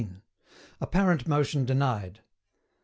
APPARENT MOTION DENIED.